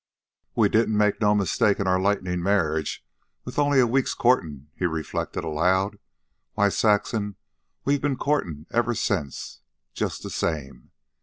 "We didn't make no mistake in our lightning marriage with only a week's courtin'," he reflected aloud. "Why, Saxon, we've been courtin' ever since just the same.